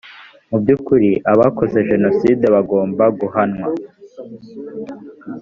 mu by ‘ukuri abakoze jenoside bagomba guhanwa.